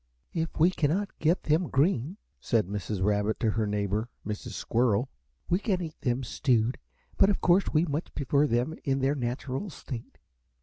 "If we cannot get them green," said Mrs. Rabbit to her neighbor, Mrs. Squirrel, "we can eat them stewed; but of course we much prefer them in their natural state."